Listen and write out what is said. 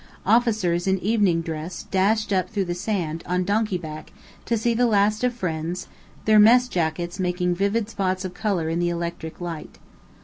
Officers in evening dress dashed up through the sand, on donkey back, to see the last of friends, their mess jackets making vivid spots of colour in the electric light.